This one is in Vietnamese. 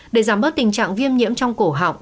để giảm bớt tình trạng viêm nhiễm trong cổ học